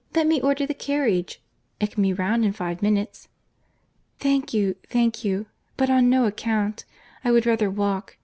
—Let me order the carriage. It can be round in five minutes." "Thank you, thank you—but on no account.—I would rather walk.